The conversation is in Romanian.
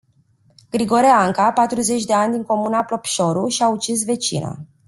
Grigore Anca patruzeci de ani din comuna Plopșoru, și-a ucis vecina.